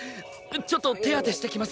ちょっと手当てしてきます！